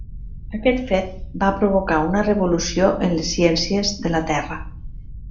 Aquest fet va provocar una revolució en les Ciències de la Terra.